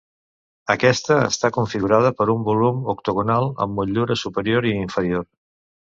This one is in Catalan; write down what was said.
Aquesta està configurada per un volum octogonal amb motllura superior i inferior.